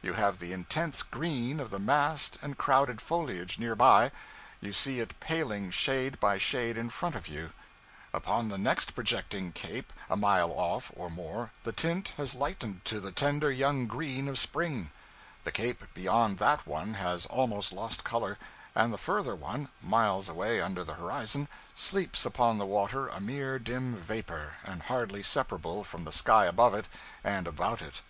You have the intense green of the massed and crowded foliage near by; you see it paling shade by shade in front of you; upon the next projecting cape, a mile off or more, the tint has lightened to the tender young green of spring; the cape beyond that one has almost lost color, and the furthest one, miles away under the horizon, sleeps upon the water a mere dim vapor, and hardly separable from the sky above it and about it.